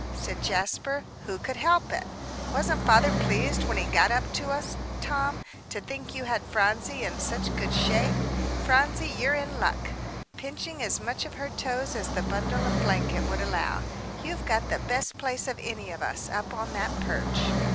said Jasper; "who could help it? Wasn't father pleased when he got up to us, Tom, to think you had Phronsie in such good shape? Phronsie, you're in luck," pinching as much of her toes as the bundle of blanket would allow; "you've got the best place of any of us, up on that perch."